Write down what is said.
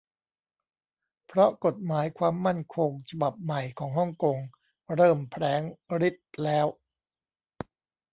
เพราะกฏหมายความมั่นคงฉบับใหม่ของฮ่องกง เริ่มแผลงฤทธิ์แล้ว